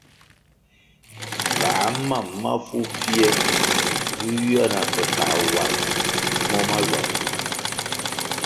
Kā mam mafu pfie vi ywia na ke kā wal mo mahywama.